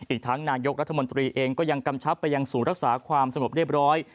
อีกทั้งนายกรัฐมนตรีเองก็ยังกำชับไปยังศูนย์รักษาความสงบเรียบร้อย